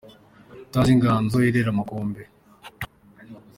Utazi inganzo irera amakombe